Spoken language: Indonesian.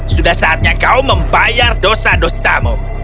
sudah saatnya kau membayar dosa dosamu